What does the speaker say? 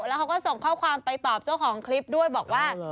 แล้วเขาก็ส่งข้อความไปตอบเจ้าของคลิปด้วยบอกว่า